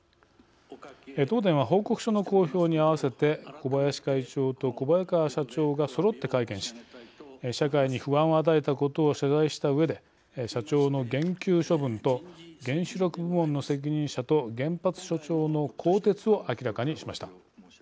東電は報告書の公表に合わせて小林会長と小早川社長がそろって会見し社会に不安を与えたことを謝罪したうえで社長の減給処分と原子力部門の責任者と原発所長の更迭を明らかにしました。